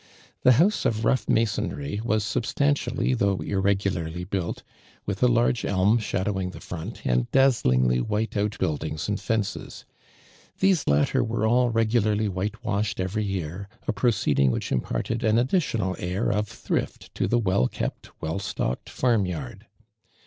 The house of rough masonry, was substantially though irregularly built, with a large elm shadowing the front, and dazzlingly white outbuildings and fences. These latter were all regularly whitewashed every year, a pro ceeding which imparted an additional air of thrift to the wall Kept, well stocked farm yard.